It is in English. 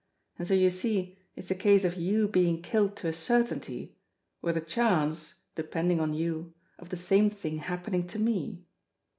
And so you see it's a case of you being killed to a certainty, or the chance, depending on you, of the same thing happening to me."